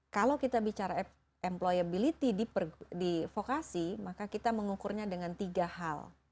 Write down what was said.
kalau kita bicara employability di vokasi maka kita mengukurnya dengan tiga hal